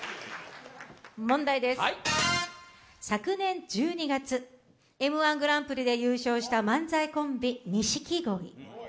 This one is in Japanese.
昨年１２月、Ｍ−１グランプリで優勝した漫才コンビ、錦鯉。